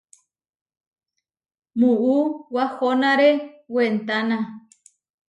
Muú wahonáre wentána.